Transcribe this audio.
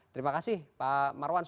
terima kasih pak marwan